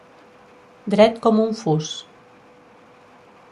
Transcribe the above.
Dret com un fus.